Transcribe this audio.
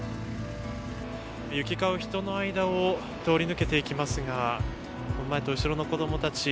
行き交う人の間を通り抜けていきますが前と後ろの子どもたち